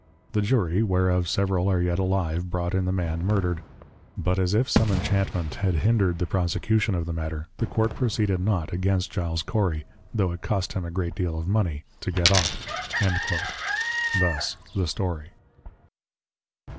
The Jury, whereof several are yet alive brought in the man Murdered; but as if some Enchantment had hindred the Prosecution of the Matter, the Court Proceeded not against Giles Cory, tho' it cost him a great deal of Mony to get off.' Thus the Story.